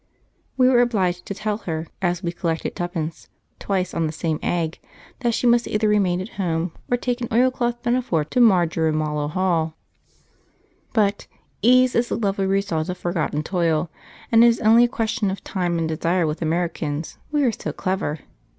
We were obliged to tell her, as we collected 'tuppence' twice on the same egg, that she must either remain at home, or take an oilcloth pinafore to Marjorimallow Hall. But 'ease is the lovely result of forgotten toil,' and it is only a question of time and desire with Americans, we are so clever.